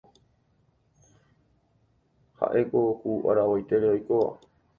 ha'éko ku aravoitére oikóva.